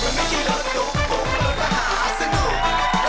มันไม่ใช่รถตุ๊กตุ๊กมันรถมหาสนุก